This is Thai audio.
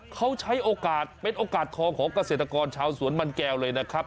เขาใช้โอกาสเป็นโอกาสทองของเกษตรกรชาวสวนมันแก้วเลยนะครับ